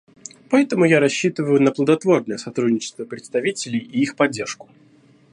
Поэтому я рассчитываю на плодотворное сотрудничество представителей и их поддержку.